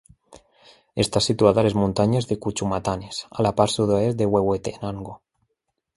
Està situat a les muntanyes de Cuchumatanes a la part sud-oest de Huehuetenango.